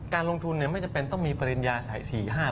การลงทุนไม่จำเป็นต้องมีปริญญาสาย๔๕